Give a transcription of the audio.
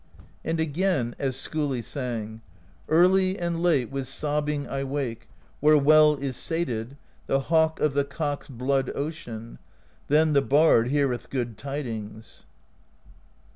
And again as Skiili sang: Early and late with sobbing I wake, where well is sated The hawk of the Cock's blood ocean: Then the bard heareth good tidings.